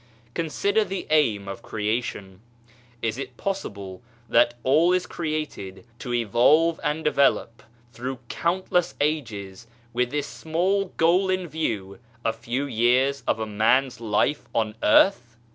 Consider the aim of creation : is it possible that all is created to evolve and develop through countless ages with this small goal in view a few years of a man's life on earth